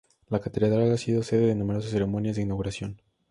La catedral ha sido sede de numerosas ceremonias de inauguración.